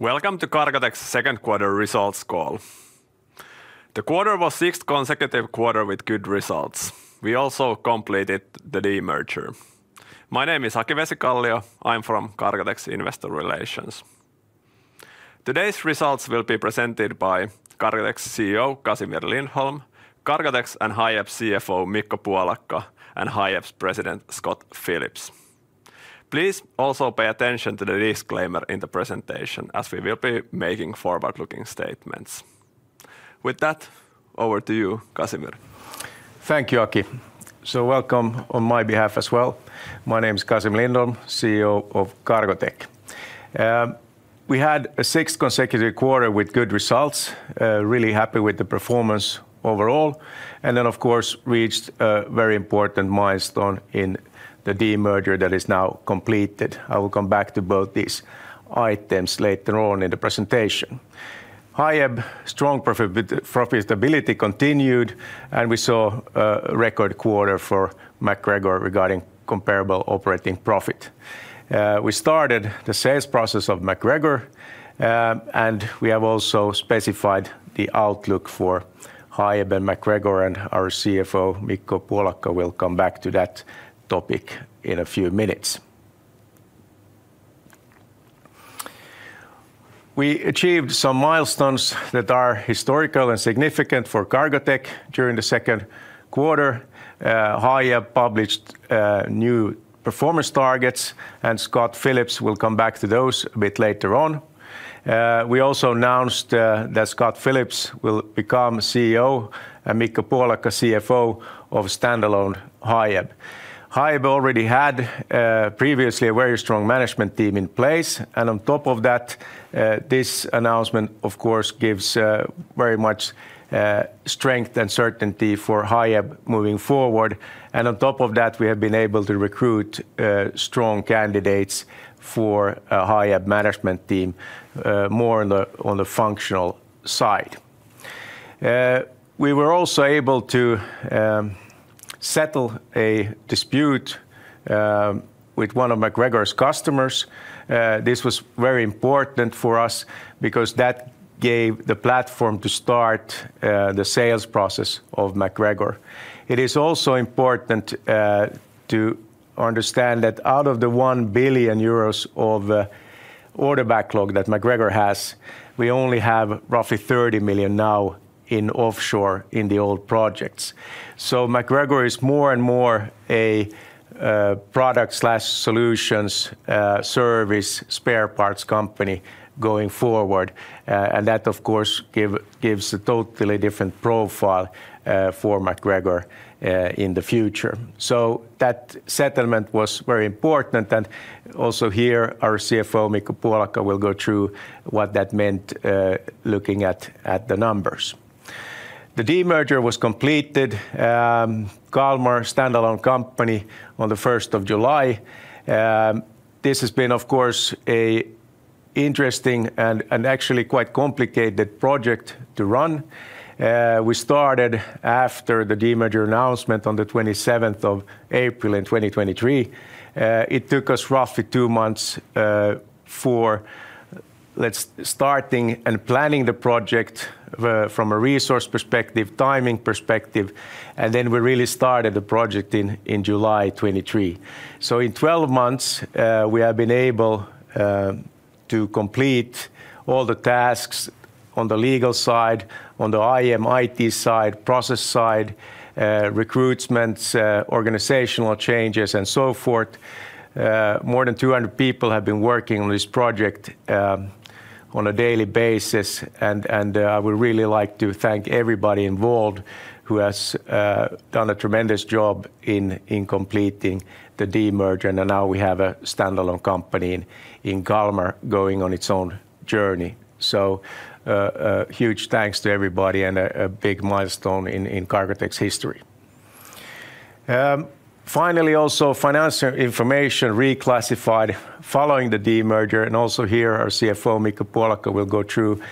Welcome to Cargotec's second quarter results call. The quarter was sixth consecutive quarter with good results. We also completed the demerger. My name is Aki Vesikallio. I'm from Cargotec's Investor Relations. Today's results will be presented by Cargotec's CEO, Casimir Lindholm, Cargotec's and Hiab's CFO, Mikko Puolakka, and Hiab's President, Scott Phillips. Please also pay attention to the disclaimer in the presentation, as we will be making forward-looking statements. With that, over to you, Casimir. Thank you, Aki. So welcome on my behalf as well. My name's Casimir Lindholm, CEO of Cargotec. We had a sixth consecutive quarter with good results. Really happy with the performance overall, and then, of course, reached a very important milestone in the demerger that is now completed. I will come back to both these items later on in the presentation. Hiab, strong profitability continued, and we saw a record quarter for MacGregor regarding comparable operating profit. We started the sales process of MacGregor, and we have also specified the outlook for Hiab and MacGregor, and our CFO, Mikko Puolakka, will come back to that topic in a few minutes. We achieved some milestones that are historical and significant for Cargotec during the second quarter. Hiab published new performance targets, and Scott Phillips will come back to those a bit later on. We also announced that Scott Phillips will become CEO and Mikko Puolakka CFO of standalone Hiab. Hiab already had previously a very strong management team in place, and on top of that, this announcement, of course, gives very much strength and certainty for Hiab moving forward. On top of that, we have been able to recruit strong candidates for a Hiab management team, more on the functional side. We were also able to settle a dispute with one of MacGregor's customers. This was very important for us because that gave the platform to start the sales process of MacGregor. It is also important to understand that out of the 1 billion euros of order backlog that MacGregor has, we only have roughly 30 million now in offshore in the old projects. So MacGregor is more and more a product/solutions service, spare parts company going forward. And that, of course, gives a totally different profile for MacGregor in the future. So that settlement was very important, and also here, our CFO, Mikko Puolakka, will go through what that meant, looking at the numbers. The demerger was completed, Kalmar standalone company on the 1st of July. This has been, of course, an interesting and actually quite complicated project to run. We started after the demerger announcement on the 27th of April in 2023. It took us roughly two months for starting and planning the project from a resource perspective, timing perspective, and then we really started the project in July 2023. So in 12 months, we have been able to complete all the tasks on the legal side, on the IM/IT side, process side, recruitments, organizational changes, and so forth. More than 200 people have been working on this project, on a daily basis, and I would really like to thank everybody involved who has done a tremendous job in completing the demerger. And now we have a standalone company in Kalmar, going on its own journey. So, huge thanks to everybody and a big milestone in Cargotec's history. Finally, also, financial information reclassified following the demerger, and also here, our CFO, Mikko Puolakka, will go through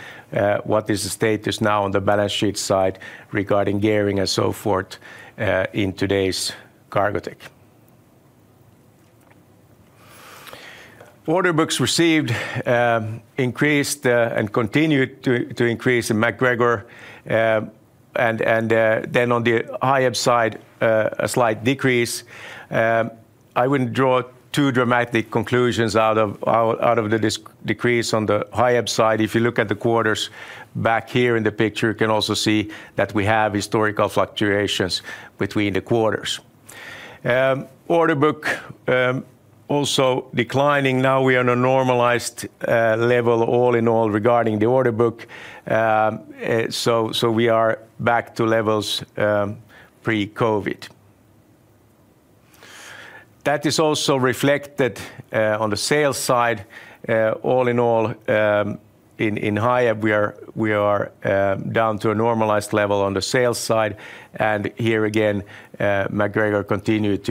what is the status now on the balance sheet side regarding gearing and so forth, in today's Cargotec. Order books received increased and continued to increase in MacGregor. And then on the Hiab side, a slight decrease. I wouldn't draw too dramatic conclusions out of this decrease on the Hiab side. If you look at the quarters back here in the picture, you can also see that we have historical fluctuations between the quarters. Order book also declining. Now we are on a normalized level all in all regarding the order book. So we are back to levels pre-COVID. That is also reflected on the sales side. All in all, in Hiab, we are down to a normalized level on the sales side. And here again, MacGregor continued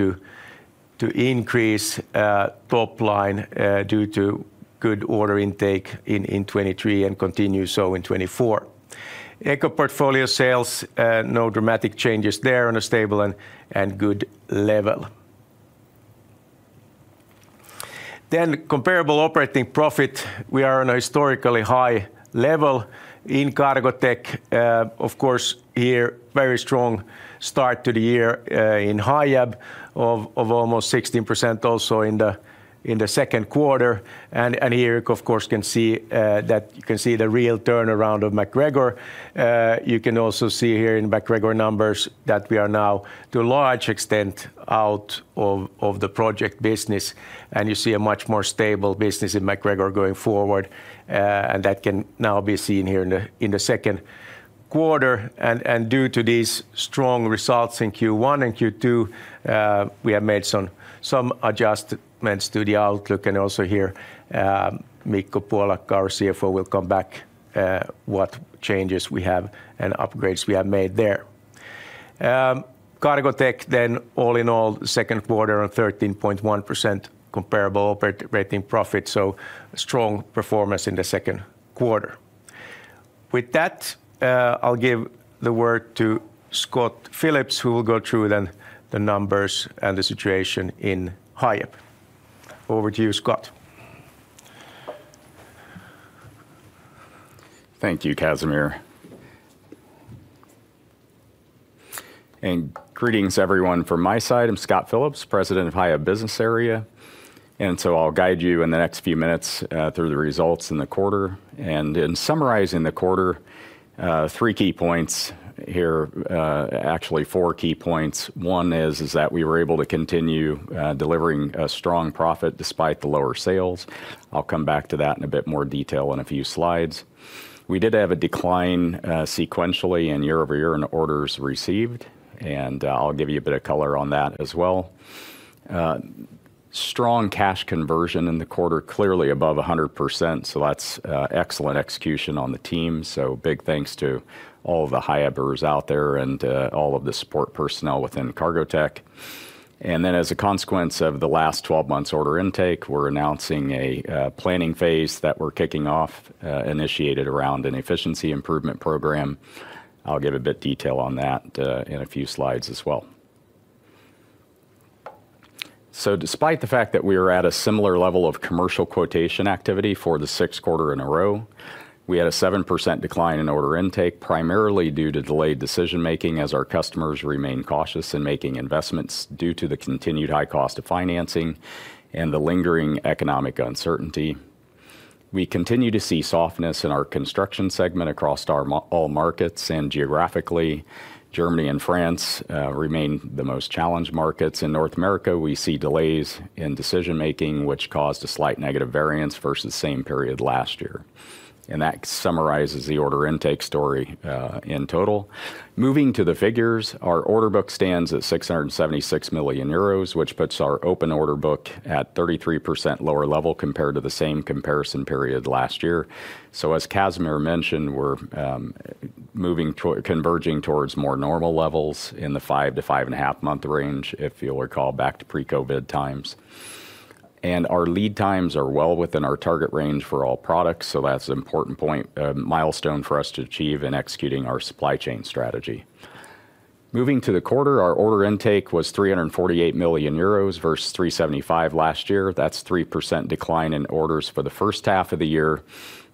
to increase top line due to good order intake in 2023 and continues so in 2024. Eco portfolio sales, no dramatic changes there, on a stable and good level. Then comparable operating profit, we are on a historically high level in Cargotec. Of course, here, very strong start to the year in Hiab, of almost 16% also in the second quarter. And here, of course, can see that you can see the real turnaround of MacGregor. You can also see here in MacGregor numbers that we are now, to a large extent, out of the project business, and you see a much more stable business in MacGregor going forward. And that can now be seen here in the second quarter. Due to these strong results in Q1 and Q2, we have made some adjustments to the outlook. And also here, Mikko Puolakka, our CFO, will come back what changes we have and upgrades we have made there. Cargotec, then all in all, second quarter on 13.1% comparable operating profit, so strong performance in the second quarter. With that, I'll give the word to Scott Phillips, who will go through then the numbers and the situation in Hiab. Over to you, Scott. Thank you, Casimir. Greetings, everyone, from my side. I'm Scott Phillips, President of Hiab Business Area, and so I'll guide you in the next few minutes through the results in the quarter. In summarizing the quarter, three key points here, actually, four key points. One is that we were able to continue delivering a strong profit despite the lower sales. I'll come back to that in a bit more detail in a few slides. We did have a decline sequentially and year-over-year in orders received, and I'll give you a bit of color on that as well. Strong cash conversion in the quarter, clearly above 100%, so that's excellent execution on the team. Big thanks to all the Hiabers out there and all of the support personnel within Cargotec. Then, as a consequence of the last twelve months' order intake, we're announcing a planning phase that we're kicking off, initiated around an efficiency improvement program. I'll give a bit detail on that, in a few slides as well. Despite the fact that we are at a similar level of commercial quotation activity for the sixth quarter in a row, we had a 7% decline in order intake, primarily due to delayed decision-making, as our customers remain cautious in making investments due to the continued high cost of financing and the lingering economic uncertainty. We continue to see softness in our construction segment across our all markets, and geographically, Germany and France remain the most challenged markets. In North America, we see delays in decision making, which caused a slight negative variance versus same period last year, and that summarizes the order intake story in total. Moving to the figures, our order book stands at 676 million euros, which puts our open order book at 33% lower level compared to the same comparison period last year. So as Casimir mentioned, we're moving to converging towards more normal levels in the 5-5.5-month range, if you'll recall, back to pre-COVID times. And our lead times are well within our target range for all products, so that's an important point milestone for us to achieve in executing our supply chain strategy. Moving to the quarter, our order intake was 348 million euros versus 375 million last year. That's 3% decline in orders for the first half of the year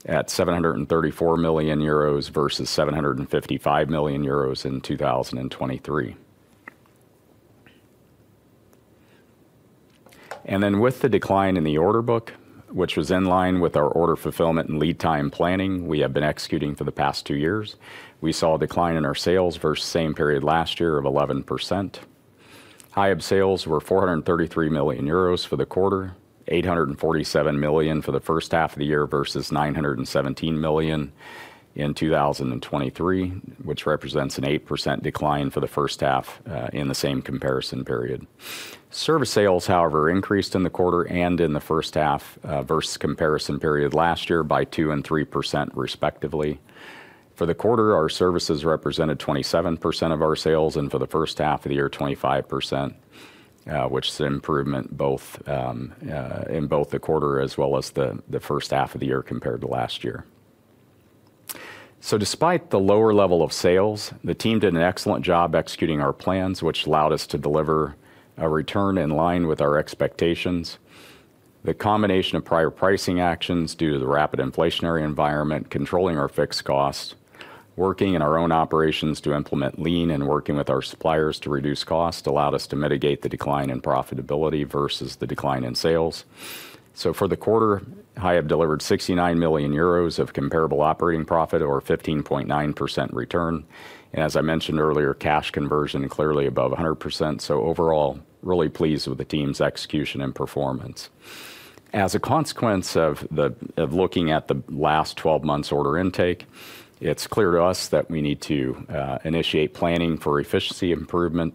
at 734 million euros versus 755 million euros in 2023. And then with the decline in the order book, which was in line with our order fulfillment and lead time planning we have been executing for the past two years, we saw a decline in our sales versus same period last year of 11%. Hiab sales were 433 million euros for the quarter, 847 million for the first half of the year versus 917 million in 2023, which represents an 8% decline for the first half in the same comparison period. Service sales, however, increased in the quarter and in the first half versus comparison period last year by 2% and 3%, respectively. For the quarter, our services represented 27% of our sales, and for the first half of the year, 25%, which is an improvement both in both the quarter as well as the first half of the year compared to last year. So despite the lower level of sales, the team did an excellent job executing our plans, which allowed us to deliver a return in line with our expectations. The combination of prior pricing actions due to the rapid inflationary environment, controlling our fixed costs, working in our own operations to implement Lean, and working with our suppliers to reduce cost, allowed us to mitigate the decline in profitability versus the decline in sales. So for the quarter, Hiab delivered 69 million euros of comparable operating profit, or a 15.9% return. As I mentioned earlier, cash conversion clearly above 100%, so overall, really pleased with the team's execution and performance. As a consequence of looking at the last 12 months' order intake, it's clear to us that we need to initiate planning for efficiency improvement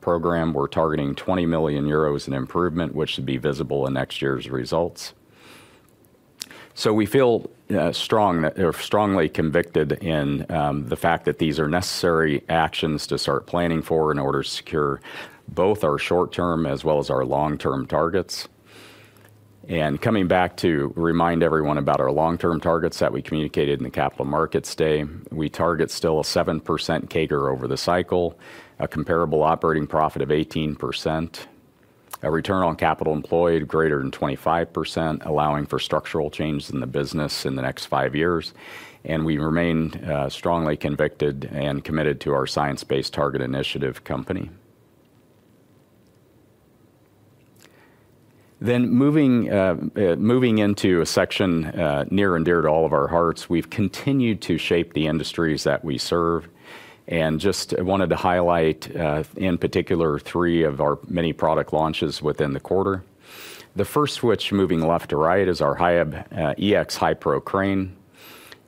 program. We're targeting 20 million euros in improvement, which should be visible in next year's results. So we feel strong, or strongly convicted in the fact that these are necessary actions to start planning for in order to secure both our short-term as well as our long-term targets. Coming back to remind everyone about our long-term targets that we communicated in the Capital Markets Day, we target still a 7% CAGR over the cycle, a comparable operating profit of 18%, a return on capital employed greater than 25%, allowing for structural changes in the business in the next five years. We remain strongly convicted and committed to our Science Based Targets initiative company. Moving into a section near and dear to all of our hearts, we've continued to shape the industries that we serve, and just wanted to highlight in particular three of our many product launches within the quarter. The first, which moving left to right, is our HIAB eX.HIPRO crane.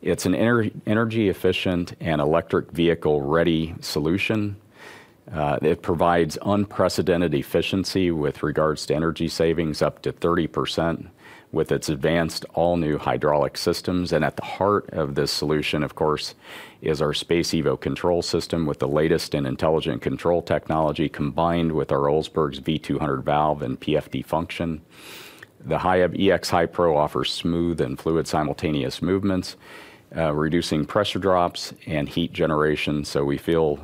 It's an energy efficient and electric vehicle-ready solution. It provides unprecedented efficiency with regards to energy savings, up to 30%, with its advanced, all-new hydraulic systems. And at the heart of this solution, of course, is our SPACEevo control system, with the latest in intelligent control technology, combined with our Olsbergs V200 valve and PFD function. The HIAB EX-HiPro offers smooth and fluid simultaneous movements, reducing pressure drops and heat generation. So we feel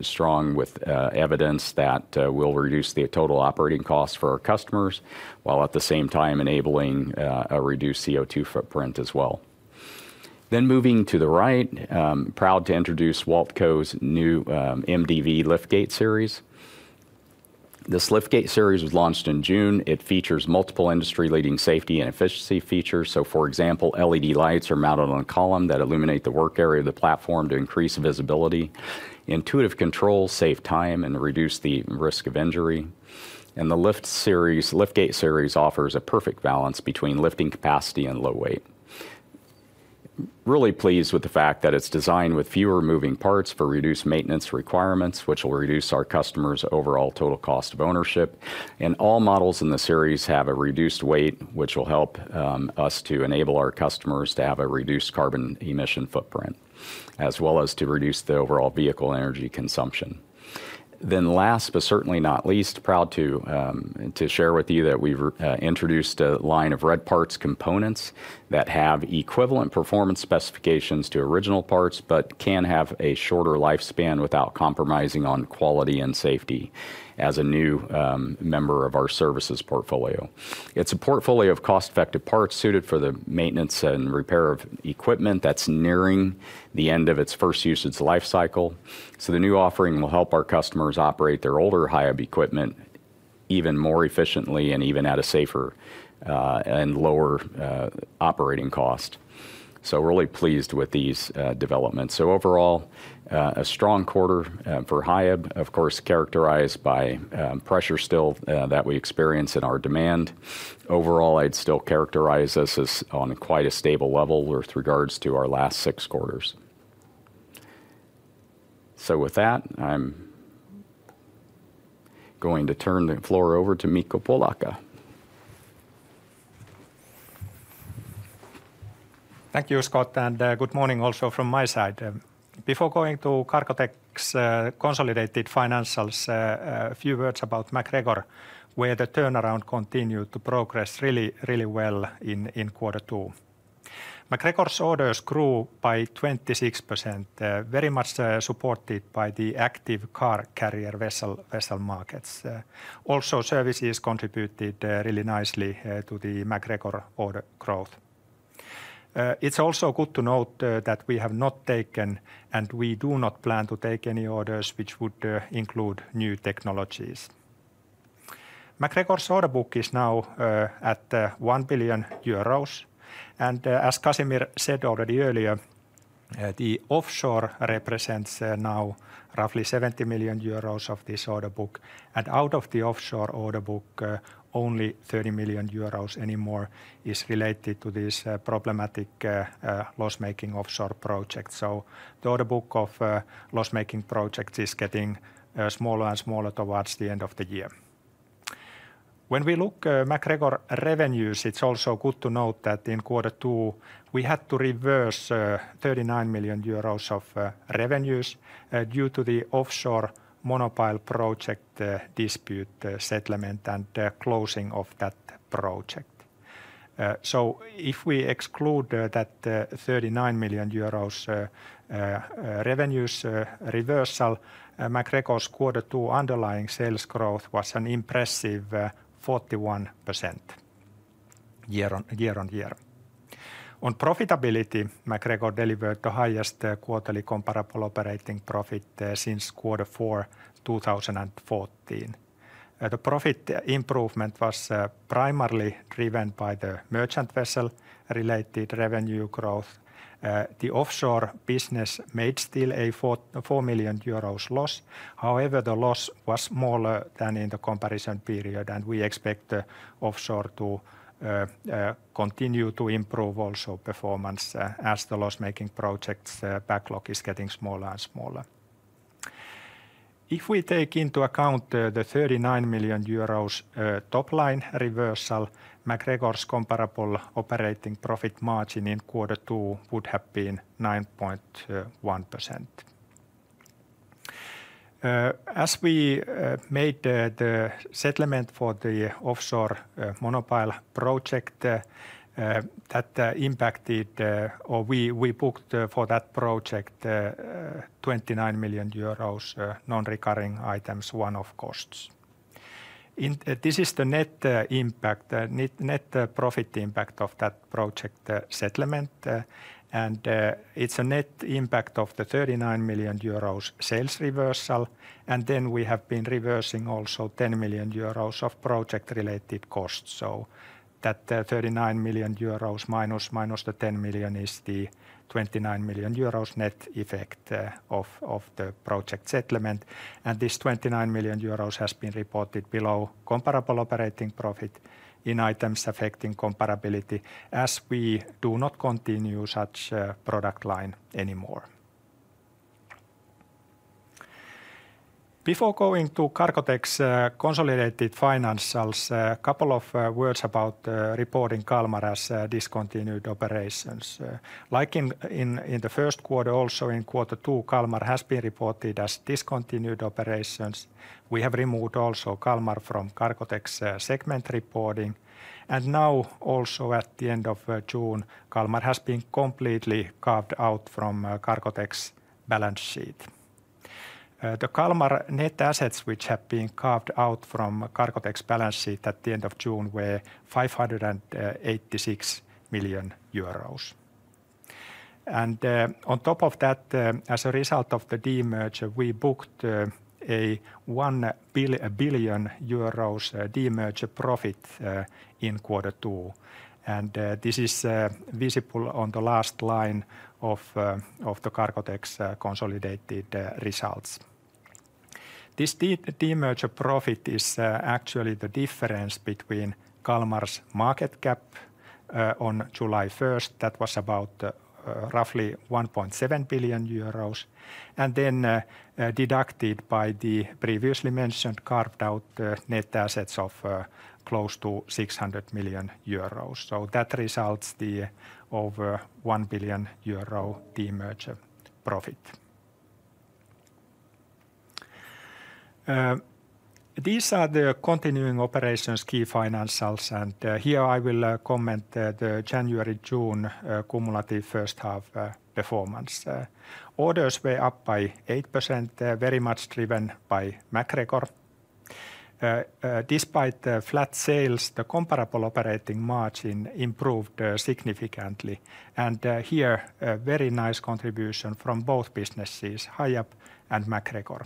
strong with evidence that we'll reduce the total operating costs for our customers, while at the same time enabling a reduced CO2 footprint as well. Then moving to the right, I'm proud to introduce Waltco's new MDV liftgate series. This liftgate series was launched in June. It features multiple industry-leading safety and efficiency features. So for example, LED lights are mounted on a column that illuminate the work area of the platform to increase visibility. Intuitive controls save time and reduce the risk of injury. And the lift series, liftgate series offers a perfect balance between lifting capacity and low weight. Really pleased with the fact that it's designed with fewer moving parts for reduced maintenance requirements, which will reduce our customers' overall total cost of ownership. And all models in the series have a reduced weight, which will help us to enable our customers to have a reduced carbon emission footprint, as well as to reduce the overall vehicle energy consumption. Then last, but certainly not least, proud to share with you that we've introduced a line of Red Parts components that have equivalent performance specifications to original parts, but can have a shorter lifespan without compromising on quality and safety as a new member of our services portfolio. It's a portfolio of cost-effective parts suited for the maintenance and repair of equipment that's nearing the end of its first usage life cycle. So the new offering will help our customers operate their older HIAB equipment even more efficiently and even at a safer and lower operating cost. So we're really pleased with these developments. So overall a strong quarter for HIAB, of course, characterized by pressure still that we experience in our demand. Overall, I'd still characterize this as on quite a stable level with regards to our last six quarters. With that, I'm going to turn the floor over to Mikko Puolakka. Thank you, Scott, and good morning also from my side. Before going to Cargotec's consolidated financials, a few words about MacGregor, where the turnaround continued to progress really, really well in Q2. MacGregor's orders grew by 26%, very much supported by the active car carrier vessel markets. Also, services contributed really nicely to the MacGregor order growth. It's also good to note that we have not taken, and we do not plan to take any orders which would include new technologies. MacGregor's order book is now at 1 billion euros. And, as Casimir said already earlier, the offshore represents now roughly 70 million euros of this order book. Out of the offshore order book, only 30 million euros is related to this problematic loss-making offshore project. So the order book of loss-making projects is getting smaller and smaller towards the end of the year. When we look MacGregor revenues, it's also good to note that in Q2, we had to reverse 39 million euros of revenues due to the offshore monopile project dispute settlement and closing of that project. So if we exclude that 39 million euros revenues reversal, MacGregor's Q2 underlying sales growth was an impressive 41% year-on-year. On profitability, MacGregor delivered the highest quarterly comparable operating profit since Q4, 2014. The profit improvement was primarily driven by the merchant vessel-related revenue growth. The offshore business made still a 4.4 million euros loss. However, the loss was smaller than in the comparison period, and we expect the offshore to continue to improve also performance, as the loss-making projects backlog is getting smaller and smaller. If we take into account the 39 million euros top-line reversal, MacGregor's comparable operating profit margin in Q2 would have been 9.1%. As we made the settlement for the offshore monopile project, that impacted, or we booked for that project 29 million euros non-recurring items, one-off costs. This is the net impact, net profit impact of that project settlement. It's a net impact of the 39 million euros sales reversal, and then we have been reversing also 10 million euros of project-related costs. So that, 39 million euros minus, minus the 10 million is the 29 million euros net effect, of the project settlement. This 29 million euros has been reported below comparable operating profit in items affecting comparability, as we do not continue such a product line anymore. Before going to Cargotec's consolidated financials, a couple of words about reporting Kalmar as discontinued operations. Like in the first quarter, also in Q2, Kalmar has been reported as discontinued operations. We have removed also Kalmar from Cargotec's segment reporting, and now also at the end of June, Kalmar has been completely carved out from Cargotec's balance sheet. The Kalmar net assets, which have been carved out from Cargotec's balance sheet at the end of June, were 586 million euros. And on top of that, as a result of the demerger, we booked a 1 billion euros demerger profit in Q2, and this is visible on the last line of Cargotec's consolidated results. This demerger profit is actually the difference between Kalmar's market cap on July first, that was about roughly 1.7 billion euros, and then deducted by the previously mentioned carved-out net assets of close to 600 million euros. So that results the over 1 billion euro demerger profit. These are the continuing operations' key financials, and here I will comment the January-June cumulative first half performance. Orders were up by 8%, very much driven by MacGregor. Despite the flat sales, the comparable operating margin improved significantly, and here, a very nice contribution from both businesses, Hiab and MacGregor.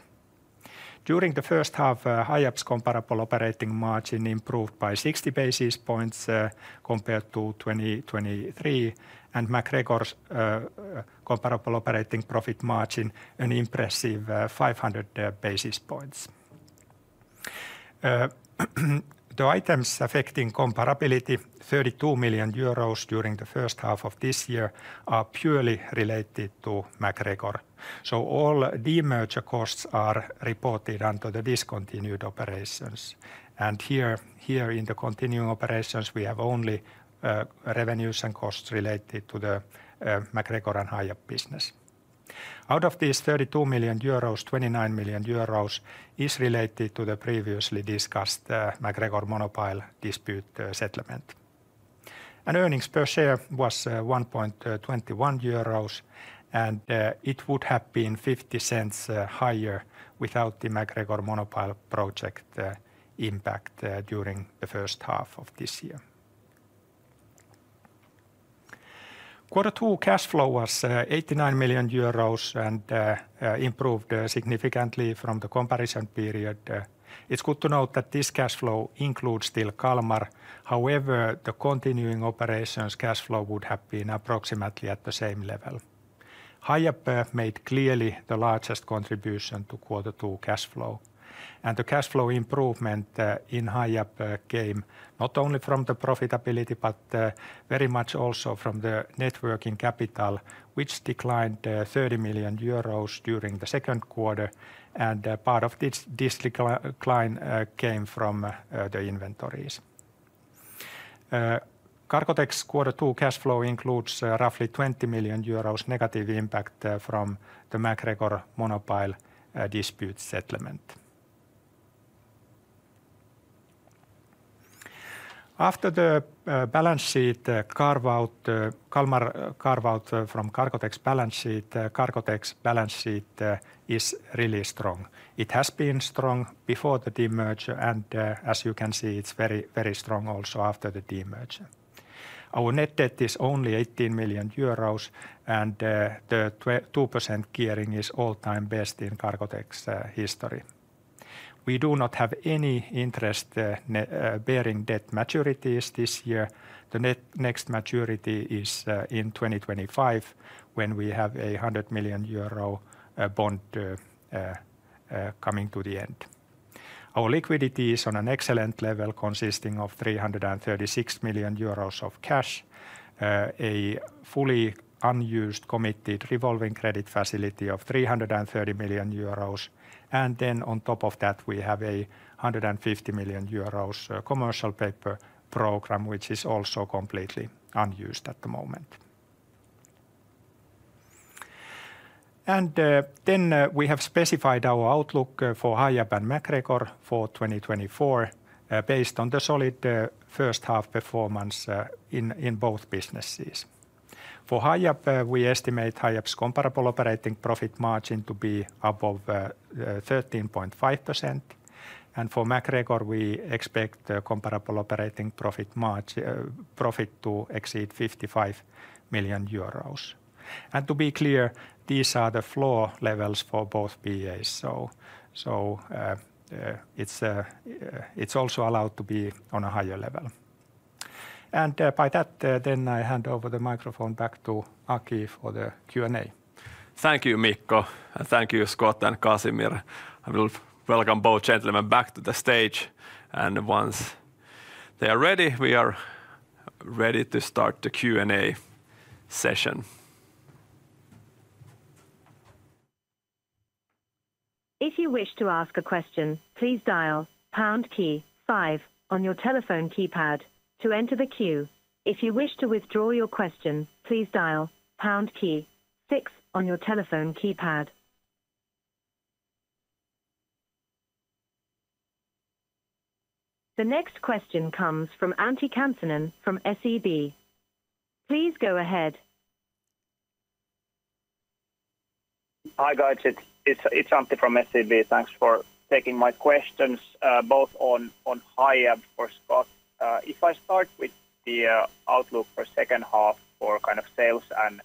During the first half, Hiab's comparable operating margin improved by 60 basis points, compared to 2023, and MacGregor's comparable operating profit margin, an impressive 500 basis points. The items affecting comparability, 32 million euros during the first half of this year, are purely related to MacGregor. So all demerger costs are reported under the discontinued operations. And here, here in the continuing operations, we have only revenues and costs related to the MacGregor and Hiab business. Out of these 32 million euros, 29 million euros is related to the previously discussed MacGregor monopile dispute settlement. Earnings per share was 1.21 euros, and it would have been 0.50 higher without the MacGregor monopile project impact during the first half of this year. Quarter 2 cash flow was 89 million euros and improved significantly from the comparison period. It's good to note that this cash flow includes still Kalmar. However, the continuing operations cash flow would have been approximately at the same level. Hiab made clearly the largest contribution to Q2 cash flow, and the cash flow improvement in Hiab came not only from the profitability but very much also from the net working capital, which declined 30 million euros during the second quarter, and part of this decline came from the inventories. Cargotec's Q2 cash flow includes roughly 20 million euros negative impact from the MacGregor monopile dispute settlement. After the balance sheet Kalmar carve-out from Cargotec's balance sheet, Cargotec's balance sheet is really strong. It has been strong before the demerger, and as you can see, it's very, very strong also after the demerger. Our net debt is only 18 million euros, and the 2% gearing is all-time best in Cargotec's history. We do not have any interest-bearing debt maturities this year. The next maturity is in 2025, when we have a 100 million euro bond coming to the end. Our liquidity is on an excellent level, consisting of 336 million euros of cash, a fully unused committed revolving credit facility of 330 million euros, and then on top of that, we have a 150 million euros commercial paper program, which is also completely unused at the moment. We have specified our outlook for Hiab and MacGregor for 2024, based on the solid first half performance in both businesses. For Hiab, we estimate Hiab's comparable operating profit margin to be above 13.5%, and for MacGregor, we expect the comparable operating profit to exceed 55 million euros. To be clear, these are the floor levels for both BAs. It's also allowed to be on a higher level. By that, then I hand over the microphone back to Aki for the Q&A. Thank you, Mikko, and thank you, Scott and Casimir. I will welcome both gentlemen back to the stage, and once they are ready, we are ready to start the Q&A session. If you wish to ask a question, please dial pound key five on your telephone keypad to enter the queue. If you wish to withdraw your question, please dial pound key six on your telephone keypad. The next question comes from Antti Kansanen from SEB. Please go ahead. Hi, guys. It's Antti from SEB. Thanks for taking my questions both on Hiab for Scott. If I start with the outlook for second half for kind of sales and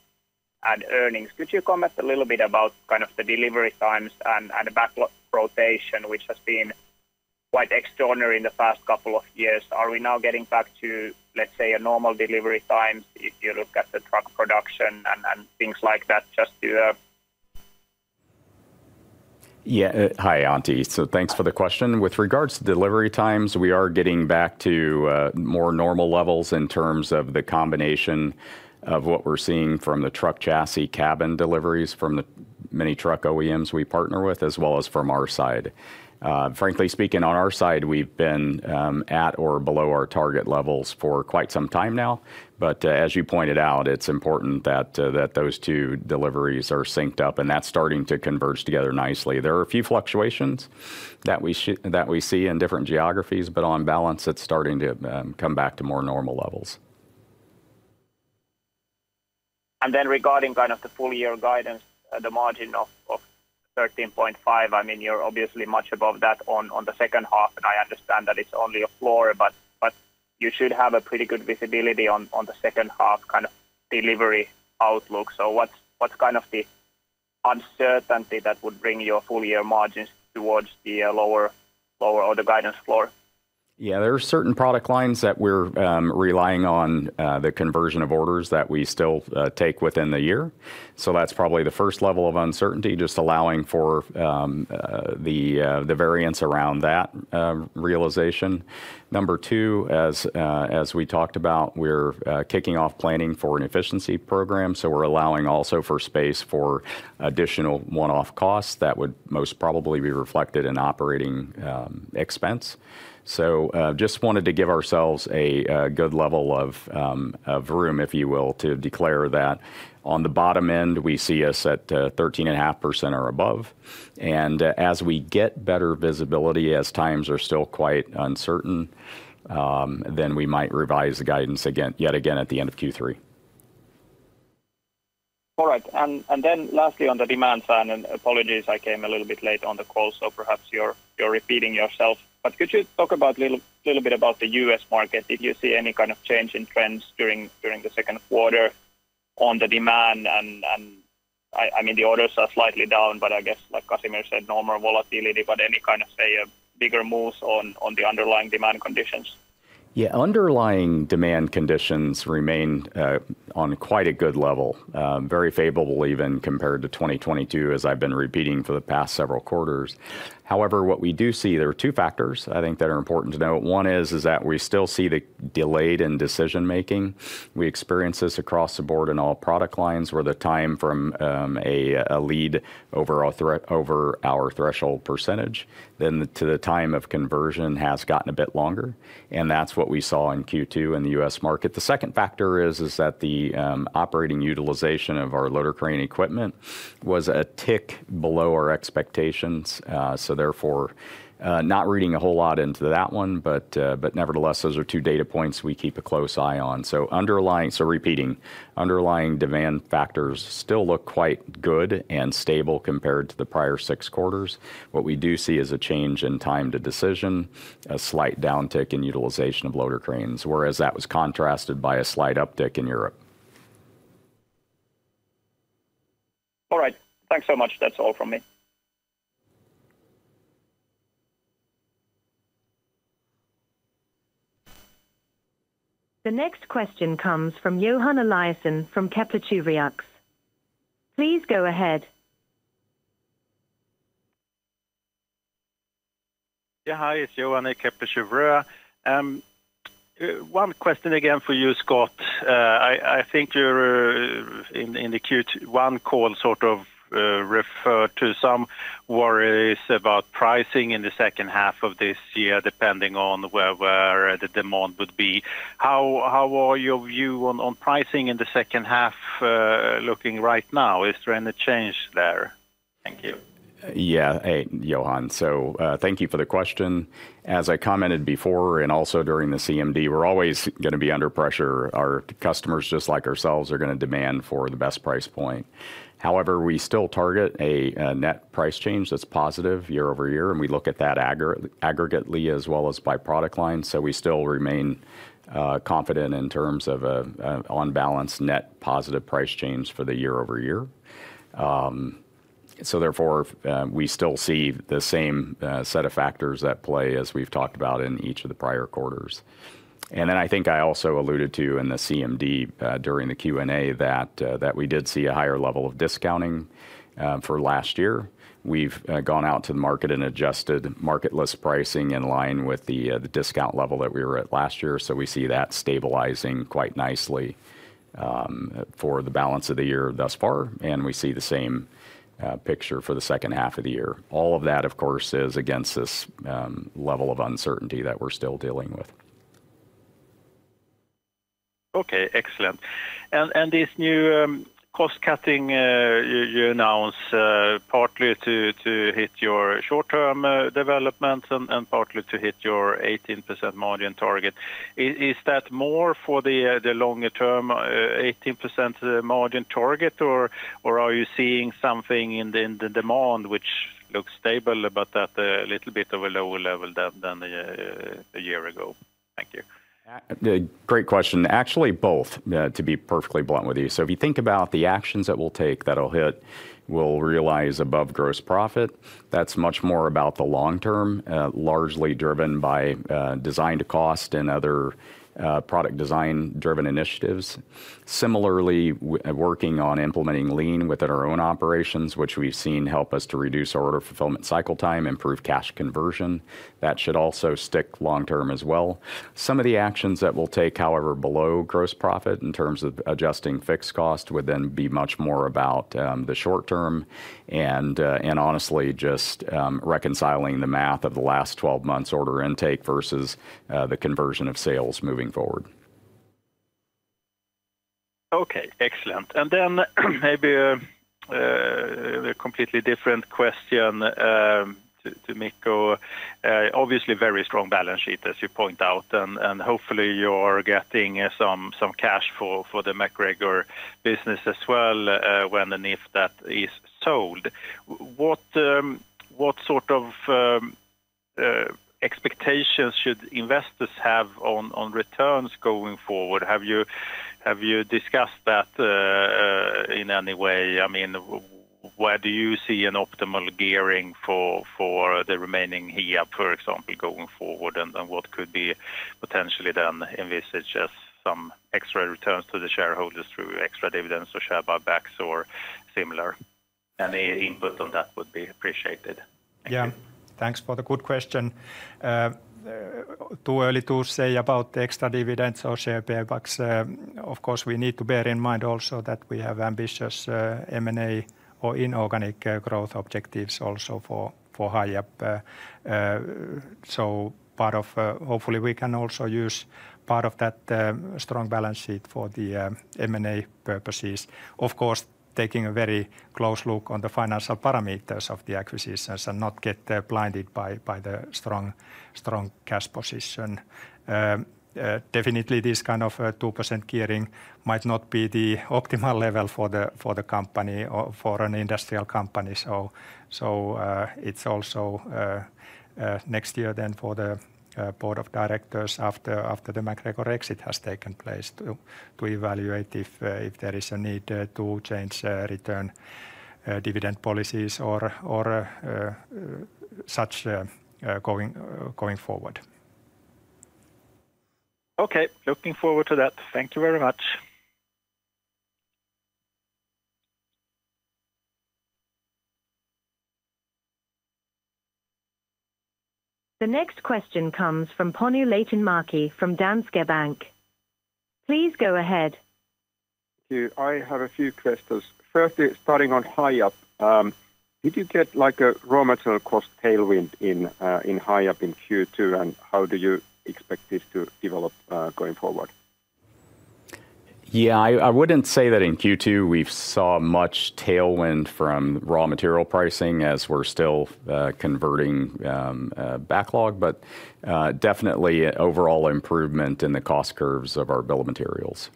earnings, could you comment a little bit about kind of the delivery times and the backlog rotation, which has been quite extraordinary in the past couple of years? Are we now getting back to, let's say, a normal delivery time if you look at the truck production and things like that, just to- Yeah. Hi, Antti. So thanks for the question. With regards to delivery times, we are getting back to more normal levels in terms of the combination of what we're seeing from the truck chassis cabin deliveries from the many truck OEMs we partner with, as well as from our side. Frankly speaking, on our side, we've been at or below our target levels for quite some time now. But as you pointed out, it's important that those two deliveries are synced up, and that's starting to converge together nicely. There are a few fluctuations that we see in different geographies, but on balance, it's starting to come back to more normal levels. Then regarding kind of the full year guidance, the margin of 13.5%, I mean, you're obviously much above that on the second half, and I understand that it's only a floor, but you should have a pretty good visibility on the second half, kind of, delivery outlook. So what's kind of the uncertainty that would bring your full year margins towards the lower or the guidance floor? Yeah, there are certain product lines that we're relying on the conversion of orders that we still take within the year. So that's probably the first level of uncertainty, just allowing for the variance around that realization. Number two, as we talked about, we're kicking off planning for an efficiency program, so we're allowing also for space for additional one-off costs that would most probably be reflected in operating expense. So just wanted to give ourselves a good level of room, if you will, to declare that. On the bottom end, we see us at 13.5% or above, and as we get better visibility, as times are still quite uncertain, then we might revise the guidance again, yet again, at the end of Q3. All right. And then lastly, on the demand side, and apologies, I came a little bit late on the call, so perhaps you're repeating yourself. But could you talk a little bit about the U.S. market? Did you see any kind of change in trends during the second quarter on the demand? And I mean, the orders are slightly down, but I guess, like Casimir said, normal volatility, but any kind of, say, a bigger moves on the underlying demand conditions? Yeah. Underlying demand conditions remain on quite a good level, very favorable even compared to 2022, as I've been repeating for the past several quarters. However, what we do see, there are two factors I think that are important to note. One is that we still see the delay in decision-making. We experience this across the board in all product lines, where the time from a lead over our threshold percentage, then to the time of conversion has gotten a bit longer, and that's what we saw in Q2 in the U.S. market. The second factor is that the operating utilization of our loader crane equipment was a tick below our expectations. So therefore, not reading a whole lot into that one, but nevertheless, those are two data points we keep a close eye on. So underlying... So repeating, underlying demand factors still look quite good and stable compared to the prior six quarters. What we do see is a change in time to decision, a slight downtick in utilization of loader cranes, whereas that was contrasted by a slight uptick in Europe. All right. Thanks so much. That's all from me. The next question comes from Johan Eliason from Kepler Cheuvreux. Please go ahead. Yeah. Hi, it's Johan at Kepler Cheuvreux. One question again for you, Scott. I think you're in the Q1 call, sort of, referred to some worries about pricing in the second half of this year, depending on where the demand would be. How are your view on pricing in the second half looking right now? Is there any change there?... Thank you. Yeah. Hey, Johan. So, thank you for the question. As I commented before, and also during the CMD, we're always gonna be under pressure. Our customers, just like ourselves, are gonna demand for the best price point. However, we still target a net price change that's positive year-over-year, and we look at that aggregately as well as by product line. So we still remain confident in terms of a on balance net positive price change for the year-over-year. So therefore, we still see the same set of factors at play as we've talked about in each of the prior quarters. And then, I think I also alluded to in the CMD during the Q&A, that we did see a higher level of discounting for last year. We've gone out to the market and adjusted market list pricing in line with the discount level that we were at last year, so we see that stabilizing quite nicely, for the balance of the year thus far, and we see the same picture for the second half of the year. All of that, of course, is against this level of uncertainty that we're still dealing with. Okay, excellent. And this new cost cutting you announce partly to hit your short-term development and partly to hit your 18% margin target. Is that more for the longer-term 18% margin target, or are you seeing something in the demand which looks stable but at a little bit of a lower level than a year ago? Thank you. Great question. Actually, both, to be perfectly blunt with you. So if you think about the actions that we'll take that'll hit, we'll realize above gross profit, that's much more about the long term, largely driven by, design to cost and other, product design-driven initiatives. Similarly, working on implementing lean within our own operations, which we've seen help us to reduce our order fulfillment cycle time, improve cash conversion, that should also stick long-term as well. Some of the actions that we'll take, however, below gross profit, in terms of adjusting fixed cost, would then be much more about, the short term and, and honestly, just, reconciling the math of the last 12 months' order intake versus, the conversion of sales moving forward. Okay, excellent. And then maybe a completely different question to Mikko. Obviously, very strong balance sheet, as you point out, and hopefully you're getting some cash for the MacGregor business as well, when and if that is sold. What sort of expectations should investors have on returns going forward? Have you discussed that in any way? I mean, where do you see an optimal gearing for the remaining Hiab, for example, going forward? And what could be potentially then envisaged as some extra returns to the shareholders through extra dividends or share buybacks or similar? Any input on that would be appreciated. Thank you. Yeah, thanks for the good question. Too early to say about the extra dividends or share buybacks. Of course, we need to bear in mind also that we have ambitious M&A or inorganic growth objectives also for Hiab. So part of... Hopefully, we can also use part of that strong balance sheet for the M&A purposes. Of course, taking a very close look on the financial parameters of the acquisitions and not get blinded by the strong cash position. Definitely, this kind of 2% gearing might not be the optimal level for the company or for an industrial company. So, it's also next year then for the board of directors after the MacGregor exit has taken place, to evaluate if there is a need to change return dividend policies or such going forward. Okay. Looking forward to that. Thank you very much. The next question comes from Panu Laitinmäki from Danske Bank. Please go ahead. Thank you. I have a few questions. Firstly, starting on Hiab. Did you get, like, a raw material cost tailwind in Hiab in Q2, and how do you expect this to develop going forward? Yeah, I wouldn't say that in Q2 we've saw much tailwind from raw material pricing, as we're still converting backlog, but definitely an overall improvement in the cost curves of our build materials.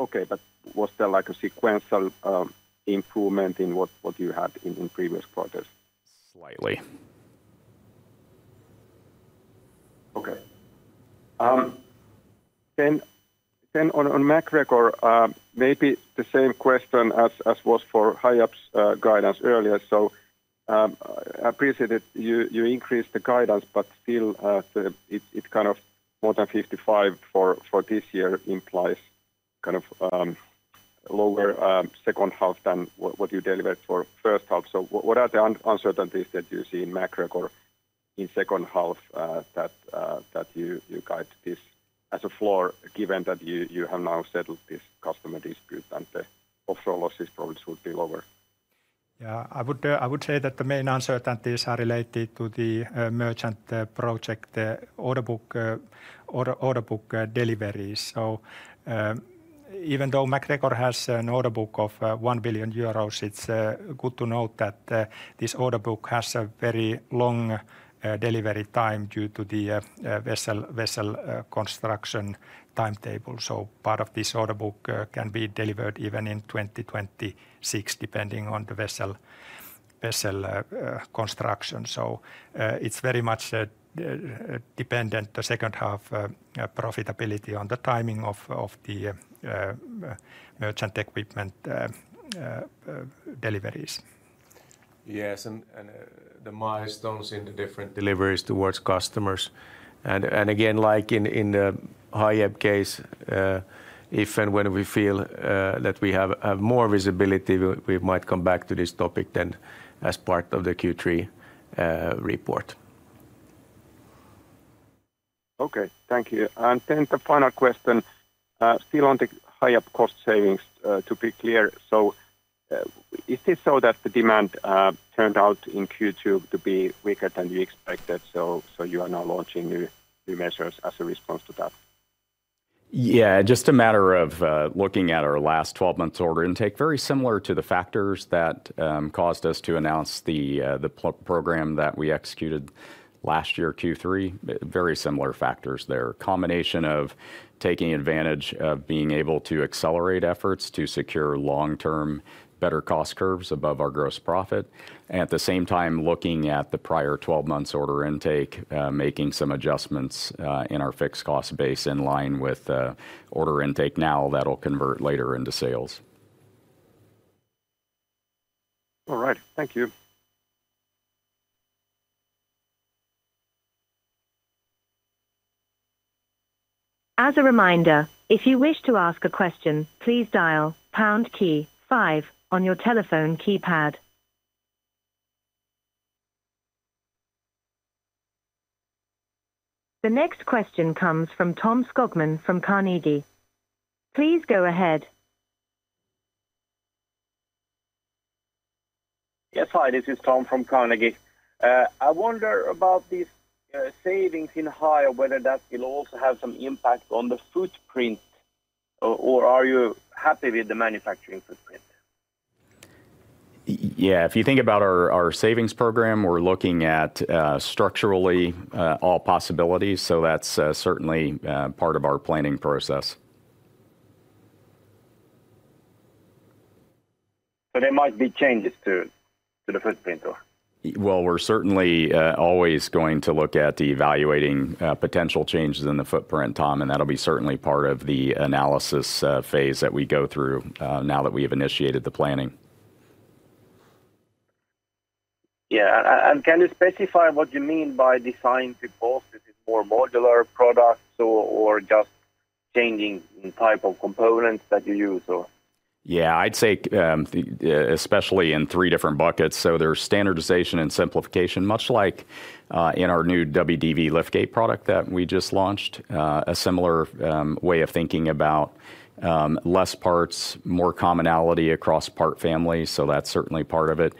Okay, but was there, like, a sequential improvement in what you had in previous quarters? Slightly. Okay. Then on MacGregor, maybe the same question as was for Hiab's guidance earlier. So, I appreciate that you increased the guidance, but still, it's kind of more than 55 for this year, implies kind of lower second half than what you delivered for first half. So what are the uncertainties that you see in MacGregor in second half, that you guide this as a floor, given that you have now settled this customer dispute and the offshore losses probably should be lower?... Yeah, I would say that the main uncertainties are related to the merchant project, the order book deliveries. So, even though MacGregor has an order book of 1 billion euros, it's good to note that this order book has a very long delivery time due to the vessel construction timetable. So part of this order book can be delivered even in 2026, depending on the vessel construction. So, it's very much dependent, the second half profitability on the timing of the merchant equipment deliveries. Yes, and the milestones in the different deliveries towards customers. And again, like in the Hiab case, if and when we feel that we have more visibility, we might come back to this topic then as part of the Q3 report. Okay, thank you. Then the final question, still on the Hiab cost savings, to be clear. So, is it so that the demand turned out in Q2 to be weaker than you expected, so you are now launching new measures as a response to that? Yeah, just a matter of looking at our last 12 months order intake, very similar to the factors that caused us to announce the plan program that we executed last year, Q3. Very similar factors there. Combination of taking advantage of being able to accelerate efforts to secure long-term, better cost curves above our gross profit. At the same time, looking at the prior 12 months order intake, making some adjustments in our fixed cost base in line with order intake now, that'll convert later into sales. All right. Thank you. As a reminder, if you wish to ask a question, please dial pound key five on your telephone keypad. The next question comes from Tom Skogman from Carnegie. Please go ahead. Yes, hi, this is Tom from Carnegie. I wonder about these savings in Hiab, whether that will also have some impact on the footprint, or, or are you happy with the manufacturing footprint? Yeah, if you think about our savings program, we're looking at structurally all possibilities, so that's certainly part of our planning process. There might be changes to the footprint, or? Well, we're certainly always going to look at evaluating potential changes in the footprint, Tom, and that'll be certainly part of the analysis phase that we go through now that we have initiated the planning. Yeah, and can you specify what you mean by design to cost? Is it more modular products or, or just changing the type of components that you use, or? Yeah, I'd say, especially in three different buckets. So there's standardization and simplification, much like, in our new MDV liftgate product that we just launched. A similar way of thinking about, less parts, more commonality across part families, so that's certainly part of it.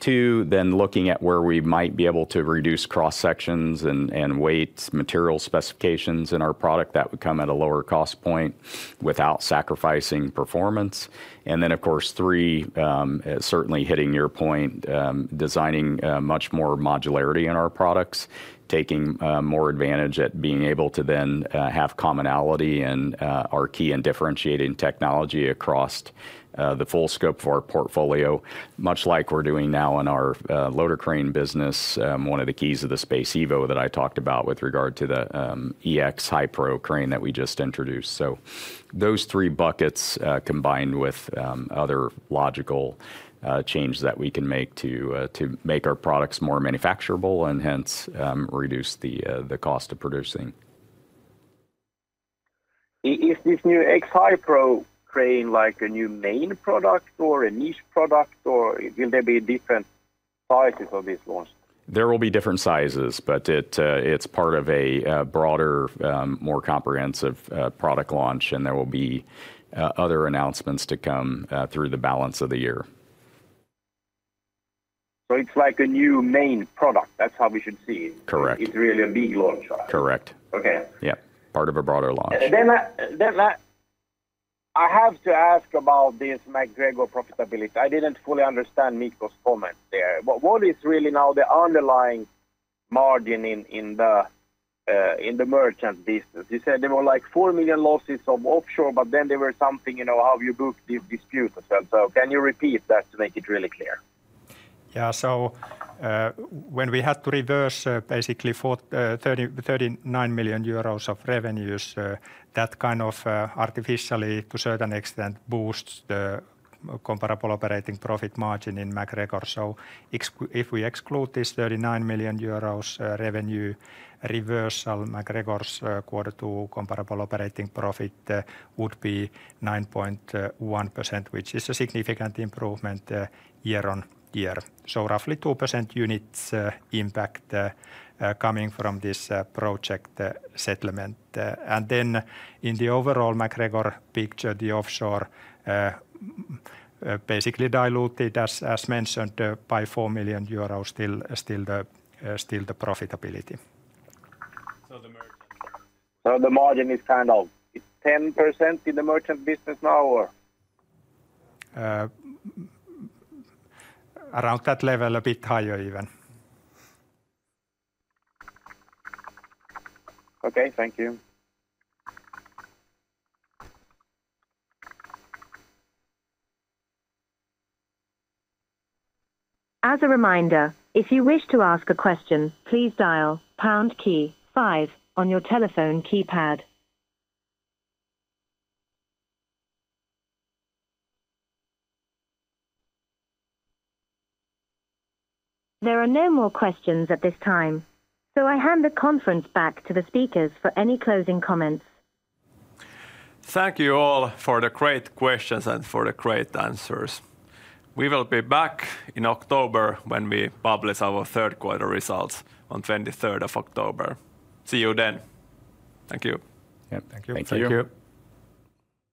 Two, then looking at where we might be able to reduce cross-sections and weight, material specifications in our product that would come at a lower cost point without sacrificing performance. And then, of course, three, certainly hitting your point, designing, much more modularity in our products, taking, more advantage at being able to then, have commonality and, our key and differentiating technology across, the full scope of our portfolio, much like we're doing now in our, loader crane business. One of the keys of the Space Evo that I talked about with regard to the EX-HiPro crane that we just introduced. So those three buckets combined with other logical changes that we can make to make our products more manufacturable and hence reduce the cost of producing. Is this new EX-HiPro crane like a new main product or a niche product, or will there be different sizes of this launch? There will be different sizes, but it, it's part of a broader, more comprehensive, product launch, and there will be other announcements to come, through the balance of the year. It's like a new main product. That's how we should see it? Correct. It's really a big launch. Correct. Okay. Yeah. Part of a broader launch. Then I have to ask about this MacGregor profitability. I didn't fully understand Mikko's comment there. What is really now the underlying margin in the merchant business? You said there were, like, 4 million losses from offshore, but then there were something, you know, how you book the disputes itself. Can you repeat that to make it really clear? Yeah, so, when we had to reverse, basically 39 million euros of revenues, that kind of, artificially, to a certain extent, boosts the comparable operating profit margin in MacGregor. So if we exclude this 39 million euros, revenue reversal, MacGregor's Q2 comparable operating profit would be 9.1%, which is a significant improvement year-on-year. So roughly 2 percent units impact coming from this project settlement. And then in the overall MacGregor picture, the offshore basically diluted, as mentioned, by 4 million euros, still the profitability. So the merchant- The margin is kind of, it's 10% in the merchant business now, or? Around that level, a bit higher even. Okay, thank you. As a reminder, if you wish to ask a question, please dial pound key 5 on your telephone keypad. There are no more questions at this time, so I hand the conference back to the speakers for any closing comments. Thank you all for the great questions and for the great answers. We will be back in October when we publish our third quarter results on October 23. See you then. Thank you. Yeah. Thank you. Thank you.